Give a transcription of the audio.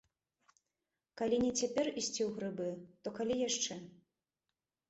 Калі не цяпер ісці ў грыбы, то калі яшчэ.